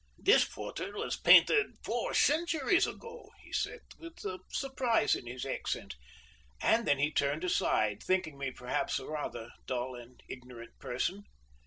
"This portrait was painted four centuries ago," he said, with surprise in his accent; and then he turned aside, thinking me, perhaps, a rather dull and ignorant person.